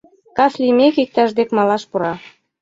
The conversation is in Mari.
Кас лиймек, иктаж дек малаш пура.